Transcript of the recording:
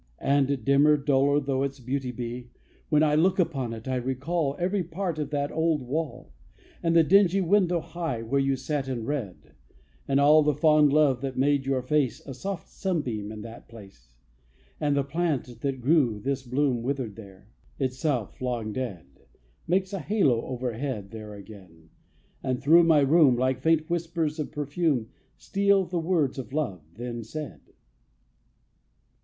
And dimmer, duller Though its beauty be, when I Look upon it, I recall Every part of that old wall; And the dingy window high, Where you sat and read; and all The fond love that made your face A soft sunbeam in that place: And the plant, that grew this bloom Withered here, itself long dead, Makes a halo overhead There again and through my room, Like faint whispers of perfume, Steal the words of love then said.